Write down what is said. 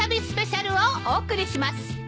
スペシャルをお送りします。